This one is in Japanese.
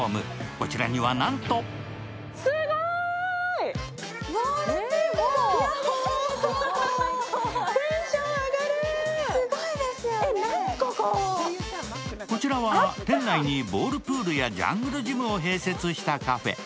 こちらには、なんとテンション上がる、何こここちらは店内にボールプールやジャングルジムを併設したカフェ。